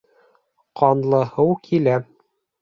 — Ҡанлы һыу килә...